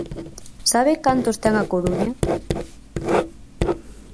¿Sabe cantos ten A Coruña?